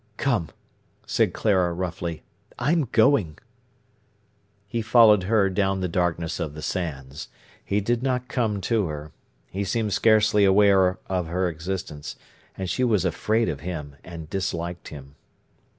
"Come!" said Clara roughly. "I'm going." He followed her down the darkness of the sands. He did not come to her. He seemed scarcely aware of her existence. And she was afraid of him, and disliked him.